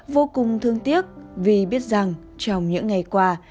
vô cùng thương tiếc vì biết rằng trong những ngày qua